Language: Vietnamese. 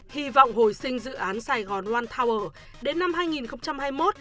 hy vọng hồi sinh dự án sài gòn ron tower đến năm hai nghìn hai mươi một